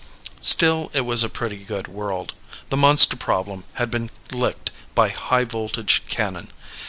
Still it was a pretty good world. The monster problem had been licked by high voltage cannon.